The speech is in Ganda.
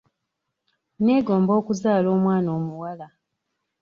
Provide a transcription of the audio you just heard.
Neegomba okuzaala omwana omuwala.